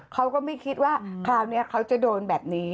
เขาก็ไม่คิดว่าคราวนี้เขาจะโดนแบบนี้